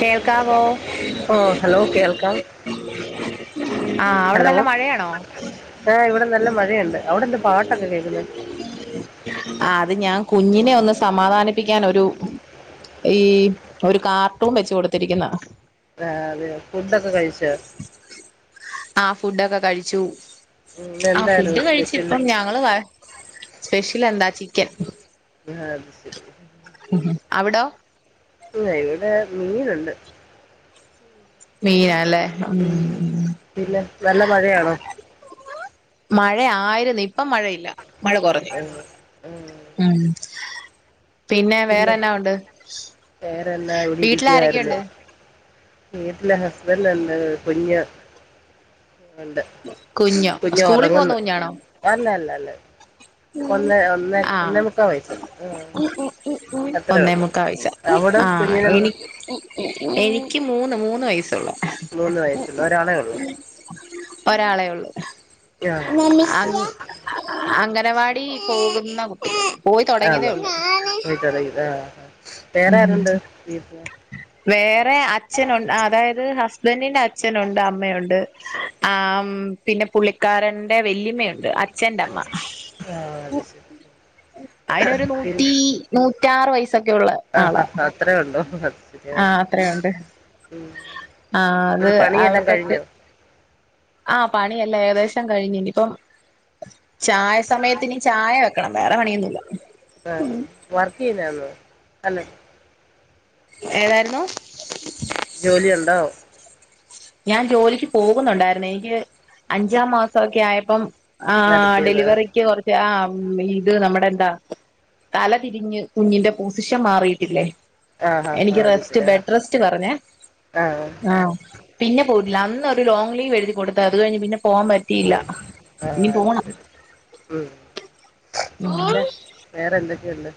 കേൾക്കാവോ? ഓ ഹലോ കേൾക്കാം ആഹ് അവിടെ നല്ല മഴയാണോ? ആഹ് ഇവിടെ നല്ല മഴയുണ്ട് അവിടെ എന്ത് പാട്ടൊക്കെ കേൾക്കുന്നൂ? ആ അത് ഞാൻ കുഞ്ഞിനെ ഒന്ന് സമാധാനിപ്പിക്കാൻ ഒരു ഈ ഒരു കാർട്ടൂൺ വെച്ചകൊടുത്തിരിക്കുന്നാ. ആഹ് അതെ ഫുഡൊക്കെ കഴിച്ച? ആ ഫുഡൊക്കെ കഴിച്ചു ഉം, ഇന്ന് ആഹ് ഫുഡ് എന്തായിരുന്നു സ്പെഷ്യൽ കഴിച്ചപ്പം ഞ ങ്ങൾ സ്പെഷ്യലെന്താ ചിക്കൻ. ന്നാ അത്ശരി. അവിടോ? ഉം ഇവിടെ മീനുണ്ട്. മീനാല്ലേ ഉം ഉം. പിന്നെ നല്ല മഴയാണോ മഴയായിരുന്നു ഇപ്പം മഴയില്ല മഴകൊറഞ്ഞ്. ഉം, ഉം, ഉം. പിന്ന വേറെ എന്നാവുണ്ട് വേറെന്നാ ഇവിടെ ഇരിക്കുവായിരുന്നു വീട്ടിലാരൊക്കെയുണ്ട്? വീട്ടിലെ ഹസ്ബ്ന്റെണ്ട് കുഞ്ഞ്. ണ്ട് കുഞ്ഞോ കുഞ്ഞു സ്കൂളിൽ പോകുന്ന ഉറങ്ങ്ന്ന്. കുഞ്ഞാണോ അല്ല അല്ല അല്ല ഒന്ന് ഒന്നെ ഒന്നേ മുക്കാ വയസ്സുണ്ട് ആഹ്. ഒന്നേമുക്കാ വയസാ അവിടെ ആ കുഞ്ഞിനെന്ത് എനി എനിക്ക് മൂന്ന് മൂന്ന് വയസൊള്ളൂ. മൂന്ന് വയസുള്ള ഒരാളെള്ളു? ഒരാളെ ഉള്ളു. ആഹ് അത് ശരി അങ്ങ് അംഗനവാടി പോകുന്നകുട്ടി പോയി തൊടങ്ങിയതേ ഉള്ളൂ. ട്ടൂള ഇത് ആ ഉം വേറാരുണ്ട് വീട്ടില്? വേറെ അച്ഛനൊ അതായത് ഹസ്ബന്റിന്റെ അച്ഛനുണ്ട് അമ്മയുണ്ട്. ആമ് പിന്നെ പുള്ളിക്കാരന്റെ വല്യമയുണ്ട്. ആ ച്ചന്റമ്മ ആഹ് അത് ശരി അയിനൊരു പിന്നെ നൂറ്റി നൂറ്റാറ് വയസ്സൊക്കെയുള്ള ആഹ് ആഹ് അത്രയോണ്ടോ അത് ശരി ആഹ് അത്രയുണ്ട് ഉം. ആ പണിയെല്ലാം കഴിഞ്ഞൊ. ആഹ് പണിയെല്ലാം ഏകദേശം കഴിഞ്ഞ് ഇനിപ്പം. ചായ സമയത്തിന് ചായ വെക്കണം വേറെ പണിയൊന്നുല്ല. ആഹ് വർക്ക് ചെയ്യുന്നാന്നോ അല്ല. ഏതായിരുന്നു. ജോലി ഉണ്ടോ. ഞാൻ ജോലിക്ക് പോകുന്നുണ്ടായിരുന്നെ എനിക്ക് അഞ്ചാം മാസൊക്കെ ആയപ്പം. ആഹ് നടത്തിയത് ഡെലിവറിക്ക് കൊറച്ച് ആ ഇത് നമ്മടെ എന്താ. തലതിരിഞ്ഞ് കുഞ്ഞിന്റെ പോസിഷൻ മാറിയിട്ടില്ലേ. ആഹ് ആഹ് എനിക്ക് അത് ശരി റെസ്റ്റ് ആഹ് ബെഡ്റെസ്റ്റ് പറഞ്ഞേ ആഹ് ആഹ്‌. പിന്നെ പോയിട്ടില്ല അന്ന് ഒരു ലോങ്ങ് ലീവെഴുതി കൊടുത്ത് അത് കഴിഞ്ഞ് പിന്നെ പോവാൻ പ റ്റിയില്ല പോയി ആഹ് ഇനി അത് പോണം. ശരി ഉം പിന്നെ വേറെ എന്തൊക്കെയുണ്ട്.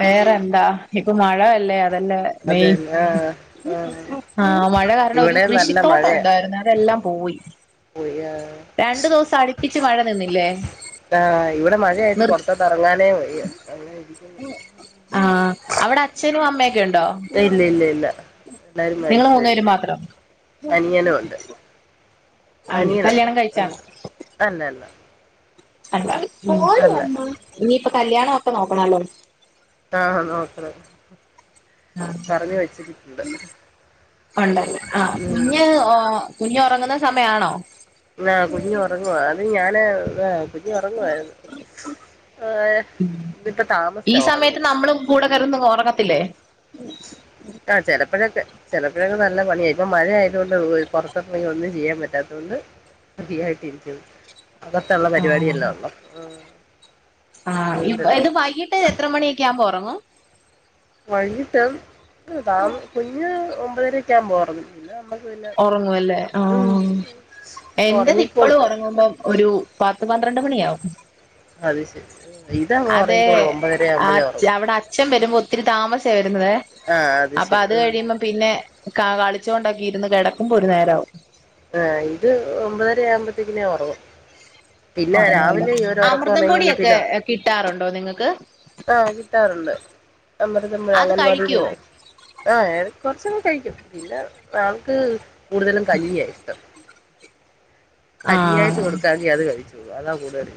വേറെന്താ ഇപ്പൊ മഴയല്ലേ അതല്ലേ മെയിൻ. അതന്നെ ആഹ് ആഹ് ആഹ് മഴ കാരണം ഒരു ഇവിടെ നല്ല കൃഷിത്തോട്ടം മഴയാ ഉണ്ടായിരുന്നെ അതെല്ലാം പോയി. പോയി ആഹ്‌. രണ്ടു ദിവസം അടുപ്പിച്ച് മഴനിന്നില്ലേ. ആഹ് ഇവിടെ മഴയായിട്ട് പൊറത്തോട്ടെറങ്ങാനേ വയ്യ അങ്ങനെ ഇരി ആഹ് അവിടെ അച്ഛനും അമ്മയൊക്കെണ്ടോ. ഇല്ല ഇല്ല ഇല്ല എല്ലാരും നിങ്ങള് മരിച്ചുപോയി മൂന്നേരും മാത്രം അനിയനും ഉണ്ട് ആണ് അനിയനുണ്ട് കല്യാണം ഉം കഴിച്ചാണോ അല്ലല്ല. അല്ല ഇനിയിപ്പം കല്ല്യാണൊക്കെ നോക്കണല്ലോ. ആഹ് നോക്കണം. ആ പറഞ്ഞു വെച്ചിട്ടുണ്ട് ഒണ്ടല്ലേ ആ ഉം പിന്നേ ആഹ്‌. കുഞ്ഞ് ഉറങ്ങുന്ന സമയാണോ. ആഹ് കുഞ്ഞു ഉറങ്ങുവാ അത് ഞാന് കുഞ്ഞ് ഉറങ്ങുവായിരുന്നു ആഹ് ഉം ഇതിപ്പോ ഈ താമസിച്ചാ സമയത്ത് ഉറങ്ങിയത് നമ്മളും കൂടെ കെടന്ന് ഉറങ്ങത്തില്ലേ ആഹ് ചിലപ്പഴൊക്കെ ചിലപ്പഴൊക്കെ നല്ല പണിയായിപ്പ മഴയാതുകൊണ്ട് പുറത്തിറണെങ്കിൽ ഒന്നും ചെയ്യാൻ പറ്റാത്തതുകൊണ്ട് ഫ്രീ ആയിട്ടിരിക്ക്‌ന്ന് അകത്തുള്ള പരിപാടി എല്ലാം ഉള്ളോ ഉം ആഹ് ഇ ഇത് വൈകിട്ട് എത്ര മണിയൊക്കെ ആമ്പോ ഉറങ്ങും വൈകിട്ട് താ കുഞ്ഞ് ഒമ്പതരൊക്ക ആവുമ്പോ ഉറങ്ങും പിന്നെ നമുക്ക് പിന്നെ ഉറങ്ങുവല്ലേ ആഹ് ഉം എന്റത് ഉറങ്ങിക്കോളും ഇപ്പളും ഉറങ്ങുമ്പം ഒരു പത്ത് പന്ത്രണ്ട് മണിയാവും അത് ശെരി അതെ അവിടെ അച്ഛൻ വരുമ്പോ ഒത്തിരി താമസാ വരുന്നതെ ആഹ് അത് ശരി പിന്നെ കാ കളിച്ചോണ്ടൊക്കെ ഇരുന്ന് കിടക്കുംപോ ഒരു നേരമാവും ആഹ് ഇത് ഒമ്പതര ആവുമ്പത്തേക്കിനും ഉറങ്ങും പിന്നെ ഉറങ്ങുവല്ല രാവിലെ ഈ ഒര് ഒറക്കം അമൃതം ഒറങ്ങി കഴിഞ്ഞ പൊടിയൊക്കെ പിന്ന കിട്ടാറുണ്ടോ നിങ്ങക്ക് ആഹ് കിട്ടാറുണ്ട് അമൃതം പൊടിയും അത് അംഗൻവാടിന്ന് കഴിക്കുവോ കിട്ടും ആഹ് കുറച്ചൊക്കെ കഴിക്കും പിന്നെ ആൾക്ക് കൂടുതലും കഞ്ഞിയാ ഇഷ്ടം കഞ്ഞിയായിട്ട് ആഹ് കൊടുക്കാങ്കി അത് കഴിച്ചോളും അതാ കൂടുതൽ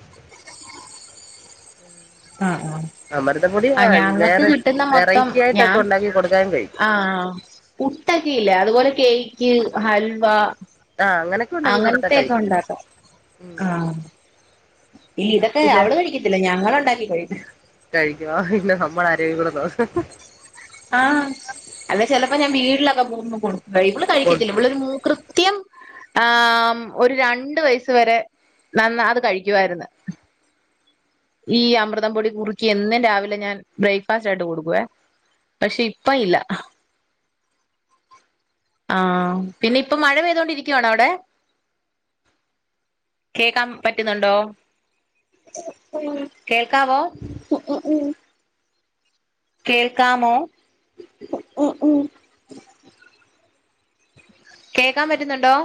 ആഹ് ആഹ് അമൃതംപൊടി ആഹ് ഞങ്ങൾക്ക് വേറെ കിട്ടുന്ന മൊത്തം വെറൈറ്റി ഞാൻ ആയിട്ടൊക്കെ ഉണ്ടാക്കി കൊടുക്കാനും കഴിക്കും ആഹ് പുട്ടൊക്കെ ഇല്ലേ അതുപോലെ കേക്ക്, ഹൽവ ആഹ് അങ്ങനെ അങ്ങൻത്തെക്കെണ്ടാക്കാ, ഉം ആഹ്, ഇല്ല ഇതൊക്കെ പിന്നെ അവള് കഴിക്കത്തില്ല ഞങ്ങളൊണ്ടാക്കി കഴിക്കും, കഴിക്കോ പിന്നെ നമ്മള ആരോഗ്യം കൂടെ നോ ആഹ്, അല്ല ചിലപ്പോ ഞാൻ വീടിലൊക്കെ പോവുമ്പോ കൊടുക്ക ഇവള് കഴിക്കത്തില്ല കൊടുക്കും ഇവിളൊരു മൂക്കൃ ത്യം ആം ഒരു രണ്ട് വയസ് വരെ, നന്ന അത് കഴിക്കുവായിരുന്നു, ഈ അമൃതം പൊടി കുറുക്കി എന്നും രാവിലെ ഞാൻ ബ്രേക്ക്ഫാസ്റ്റ് ആയിട്ട് കൊടുക്കുവേ, പക്ഷെ ഇപ്പല്ല, ആഹ്, പിന്നെ ഇപ്പ മഴ പെയ്തുകൊണ്ടിരിക്കുവാണോ അവിടെ? കേക്കാൻ പറ്റുന്നുണ്ടോ? കേൾക്കാവോ? കേൾക്കാമോ? കേക്കാൻ പറ്റുന്നുണ്ടോ?